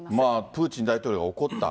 プーチン大統領が怒った。